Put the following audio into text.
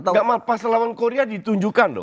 enggak pas lawan korea ditunjukkan loh